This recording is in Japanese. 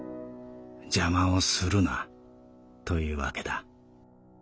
邪魔をするなというわけだ。